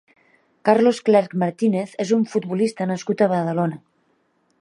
Carlos Clerc Martínez és un futbolista nascut a Badalona.